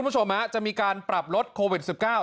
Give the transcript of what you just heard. จะมีการปรับลดโควิด๑๙